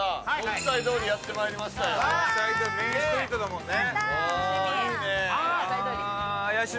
メインストリートだもんね。